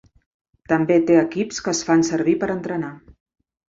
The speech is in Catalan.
També té equips que es fan servir per entrenar.